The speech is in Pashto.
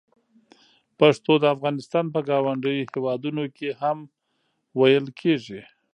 پښتو د افغانستان په ګاونډیو هېوادونو کې هم ویل کېږي.